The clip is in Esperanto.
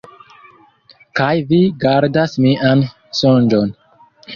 Kaj vi gardas mian sonĝon.